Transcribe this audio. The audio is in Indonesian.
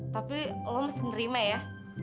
tapi lo mesti nerima ya